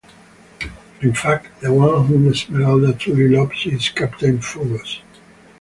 In fact, the one whom Esmeralda truly loves is Captain Phoebus.